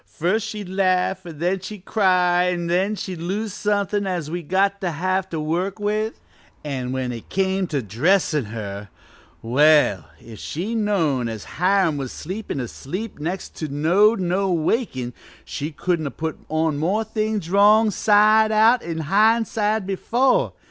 First she'd laugh an' then she'd cry an' then she'd lose suthin' as we'd got to have to work with. An' when it come to dressin' her! well, if she'd known as Hiram was sleepin' a sleep as next to knowed no wakin' she couldn't have put on more things wrong side out an' hind side before!